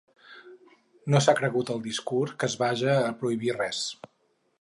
No s’ha cregut el discurs que es vaja a prohibir res.